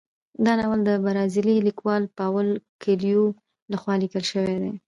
دا ناول د برازیلي لیکوال پاولو کویلیو لخوا لیکل شوی دی.